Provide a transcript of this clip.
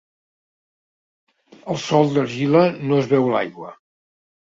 El sòl d'argila no es beu l'aigua.